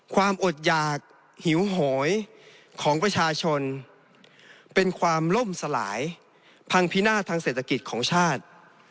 ความอดหยากหิวโหยของประชาชนเป็นความล่มสลายพังพินาศทางเศรษฐกิจของชาติ